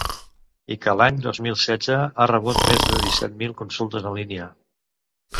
I que l’any dos mil setze ha rebut més de disset mil consultes en línia.